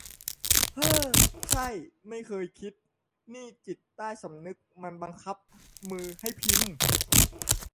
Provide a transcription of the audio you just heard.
เอ้อ ใช่ ไม่เคยคิด นี่จิตใต้สำนึกมันบังคับมือให้พิมพ์ !